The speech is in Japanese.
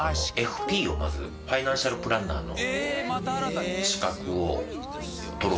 ＦＰをまずファイナンシャルプランナーの資格を受けようと思ってます。